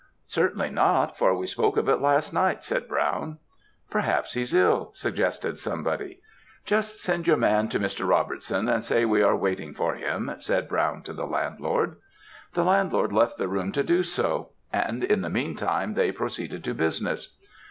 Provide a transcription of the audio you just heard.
"'Certainly not, for we spoke of it last night,' said Brown. "'Perhaps he's ill,' suggested somebody. "'Just send your man to Mr. Robertson's, and say we are waiting for him,' said Brown to the landlord. "The landlord left the room to do so; and, in the meantime, they proceeded to business.